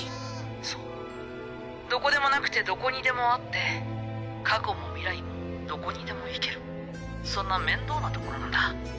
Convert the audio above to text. そうどこでもなくてどこにでもあって過去も未来もどこにでも行けるそんな面倒な所なんだ